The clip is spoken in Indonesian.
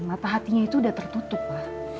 mata hatinya itu udah tertutup pak